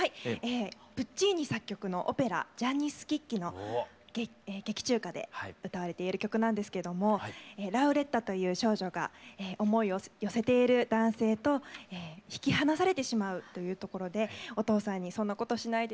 プッチーニ作曲のオペラ「ジャンニ・スキッキ」の劇中歌で歌われている曲なんですけどもラウレッタという少女が思いを寄せている男性と引き離されてしまうというところでお父さんに「そんなことしないで。